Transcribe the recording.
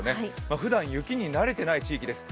ふだん雪になれていない地域です。